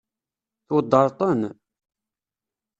Tweddṛeḍ-ten?